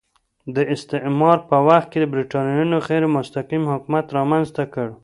د استعمار په وخت کې برېټانویانو غیر مستقیم حکومت رامنځته کړ.